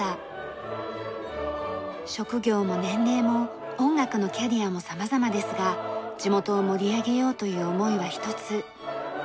職業も年齢も音楽のキャリアも様々ですが地元を盛り上げようという思いは一つ。